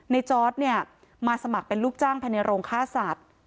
จอร์ดเนี่ยมาสมัครเป็นลูกจ้างภายในโรงฆ่าสัตว์